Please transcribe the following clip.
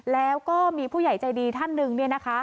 แล้วก็มีผู้ใหญ่ใจดีท่านนึงนี้นะคะ